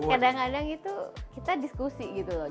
kadang kadang itu kita diskusi gitu loh